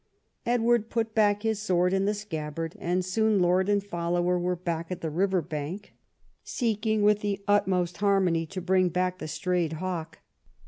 Edward put back his sword in the scabbard, and soon lord and follower were back at the river bank seeking with the utmost harmony to bring back the strayed hawk.